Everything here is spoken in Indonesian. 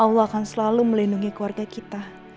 allah akan selalu melindungi keluarga kita